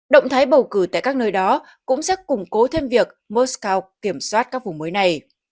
động thái bầu cử tại các nơi đó cũng sẽ củng cố thêm việc moscow kiểm soát các vùng mới này